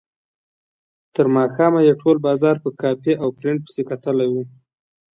تر ماښامه یې ټول بازار په کاپي او پرنټ پسې کتلی و.